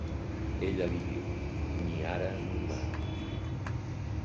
Ella li diu: "Ni ara ni mai".